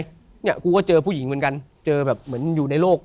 เนี่ยกูก็เจอผู้หญิงเหมือนกันเจอแบบเหมือนอยู่ในโลก